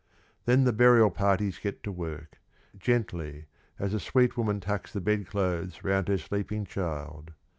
Then the burial parties get to work, gently as a sweet woman tucks the bedclothes round her sleeping child.